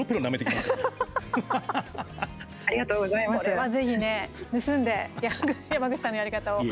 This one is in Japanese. これはぜひね盗んで、山口さんのやり方を。